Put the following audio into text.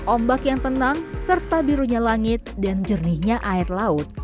ombak yang tenang serta birunya langit dan jernihnya air laut